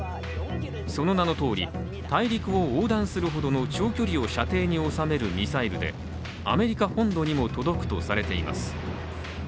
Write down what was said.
その名のとおり、大陸を横断するほどの長距離を射程に収めるミサイルで、アメリカ本土にも届くとされています。